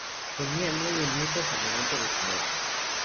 Tenía nueve nietos al momento de su muerte.